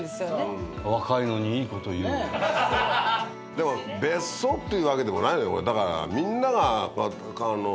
でも別荘っていうわけでもないのよ。